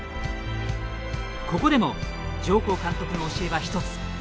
ここでも上甲監督の教えは一つ。